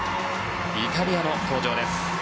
イタリアの登場です。